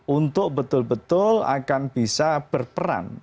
untuk betul betul akan bisa berperan